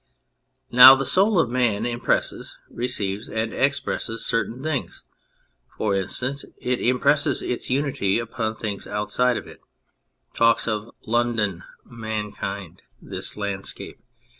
Now the soul of man impresses, receives and expresses certain things : for instance, it impresses its unity upon things outside of it, it talks of" London," "mankind," "this landscape."